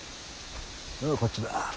こっちだ。